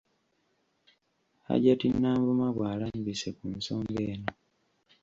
Hajat Nanvuma bw’abalambise ku nsonga eno.